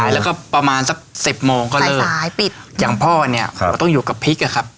แล้วก็ประมาณสัก๑๐โมงก็เลิกอย่างพ่อเนี่ยต้องอยู่กับพริกอะครับ